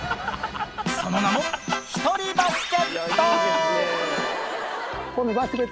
その名も、１人バスケット。